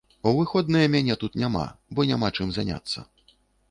У выходныя мяне тут няма, бо няма чым заняцца.